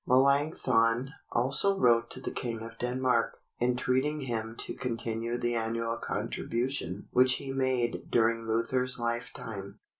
Melanchthon also wrote to the King of Denmark, entreating him to continue the annual contribution which he made during Luther's lifetime.